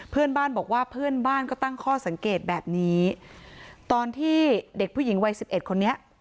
เพื่อนบ้านบอกว่าเพื่อนบ้านก็ตั้งข้อสังเกตแบบนี้ตอนที่เด็กผู้หญิงวัยสิบเอ็ดคนนี้